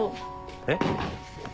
えっ？